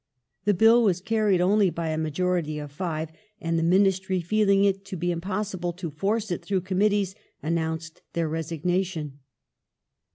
The Bill was carried only by a majority of five, and the Ministry, feeling it to be impossible to force it through Committee, announced their resig nation.